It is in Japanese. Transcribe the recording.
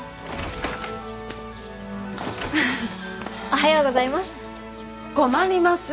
おはようございます。